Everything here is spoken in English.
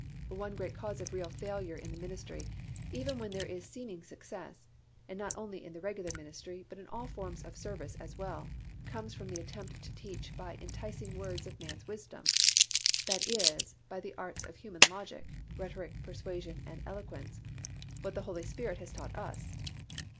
One great cause of real failure in the ministry, even when there is seeming success, and not only in the regular ministry but in all forms of service as well, comes from the attempt to teach by "enticing words of man's wisdom" (that is, by the arts of human logic, rhetoric, persuasion and eloquence) what the Holy Spirit has taught us.